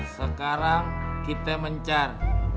sekarang kita mencar